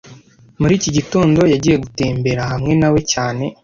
Muri iki gitondo, yagiye gutembera hamwe na we cyane